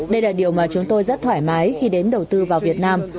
đây là điều mà chúng tôi rất thoải mái khi đến đầu tư vào việt nam